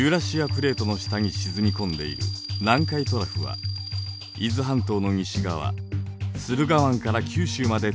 プレートの下に沈み込んでいる南海トラフは伊豆半島の西側駿河湾から九州まで続いています。